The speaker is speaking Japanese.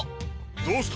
どうした！？